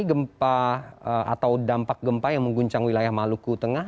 gempa atau dampak gempa yang mengguncang wilayah maluku tengah